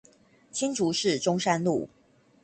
新竹市中山路